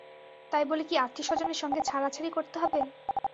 তাই বলে কি আত্মীয়স্বজনের সঙ্গে ছাড়াছাড়ি করতে হবে!